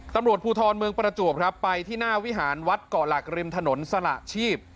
ตำรวจภูทรเมืองประจวบครับไปที่หน้าวิหารวัดเกาะหลักริมถนนสละชีพ